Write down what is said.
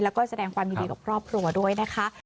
แล้วก็แสดงความยินดีกับครอบครัวด้วยนะคะ